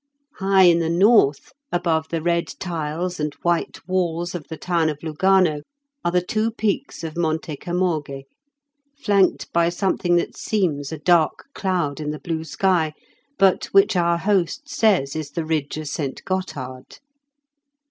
High in the north, above the red tiles and white walls of the town of Lugano are the two peaks of Monte Camoghe, flanked by something that seems a dark cloud in the blue sky, but which our host says is the ridge of St. Gothard.